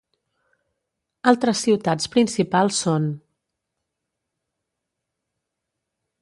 Altres ciutats principals són: